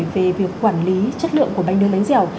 về việc quản lý chất lượng của bánh nướng bánh dẻo